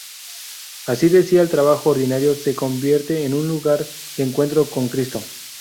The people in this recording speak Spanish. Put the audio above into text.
Así, decía, el trabajo ordinario se convierte en lugar de encuentro con Cristo.